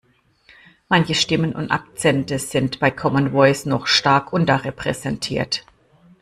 Manche Stimmen und Akzente sind bei Common Voice noch stark unterrepräsentiert.